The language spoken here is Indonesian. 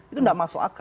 itu tidak masuk akal